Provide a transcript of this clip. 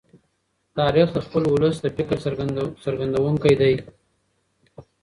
تاریخ د خپل ولس د فکر څرګندونکی دی.